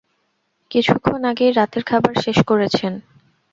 কিছুক্ষণ আগেই রাতের খাবার শেষ করেছেন।